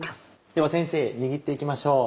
では先生握って行きましょう。